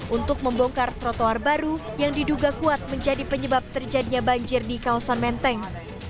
untuk membongkar trotoar baru yang diduga kuat menjadi penyebab terjadinya banjir di kawasan menteng